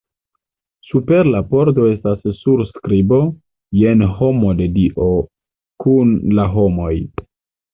Super la pordo estas surskribo: Jen hejmo de Dio kun la homoj.